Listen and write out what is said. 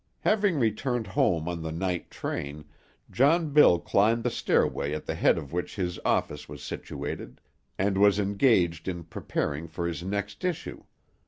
Having returned home on the night train, John Bill climbed the stairway at the head of which his office was situated, and was engaged in preparing for his next issue.